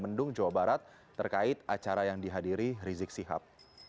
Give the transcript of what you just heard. mendung jawa barat terkait acara yang dihadiri rizik sihab